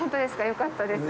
よかったです。